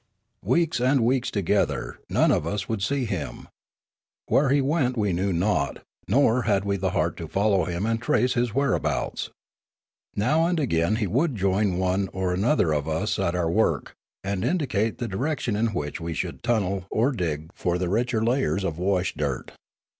Weeks and weeks together none of us would see him. Where he went we knew not, nor had we the heart to follow him and trace his whereabouts. Now and again he would join one or another of us at our I !" v».* iv Preface work, and indicate the direction in which we should tunnel or dig for the richer layers of wash dirt.